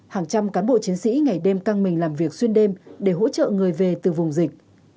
hàng trăm cán bộ chiến sĩ ngày đêm căng mình làm việc xuyên đêm để hỗ trợ người về từ vùng dịch